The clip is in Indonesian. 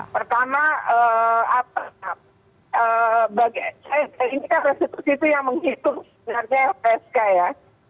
pertama apa ini kan restitusi itu yang menghitung sebenarnya lpsk ya